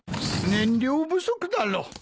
燃料不足だろう。